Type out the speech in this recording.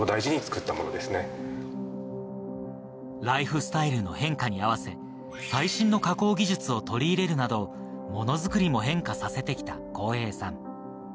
ライフスタイルの変化に合わせ、最新の加工技術を取り入れるなど、ものづくりも変化させてきた康平さん。